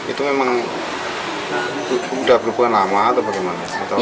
itu memang sudah berhubungan lama atau bagaimana